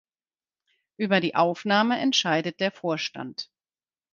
Über die Aufnahme entscheidet der Vorstand.